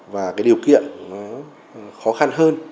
và điều kiện khó khăn hơn